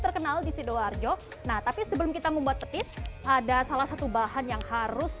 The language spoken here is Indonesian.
terkenal di sidoarjo nah tapi sebelum kita membuat petis ada salah satu bahan yang harus